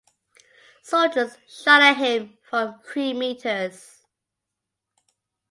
Soldiers shot at him from three meters.